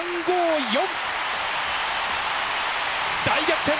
大逆転！